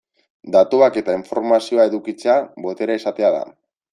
Datuak eta informazioa edukitzea, boterea izatea da.